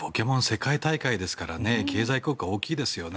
世界大会ですから経済効果大きいですよね。